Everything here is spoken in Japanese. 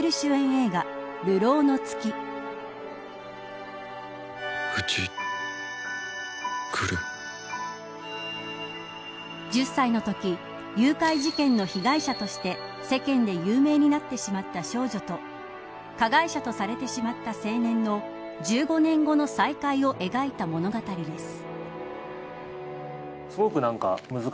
映画１０歳のとき誘拐事件の被害者として世間で有名になってしまった少女と加害者とされてしまった青年の１５年後の再会を描いた物語です。